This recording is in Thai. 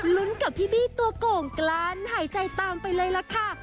ลุ้มกับพี่บี้ตัวโก่งกำลังหายใจตามไปเลยค่ะ